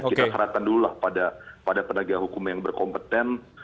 kita serahkan dulu lah pada penegak hukum yang berkompeten